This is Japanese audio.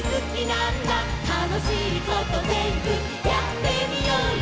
「たのしいことぜんぶやってみようよ」